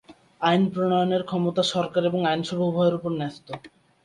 আইন প্রণয়নের ক্ষমতা সরকার এবং আইনসভা উভয়ের উপর ন্যস্ত।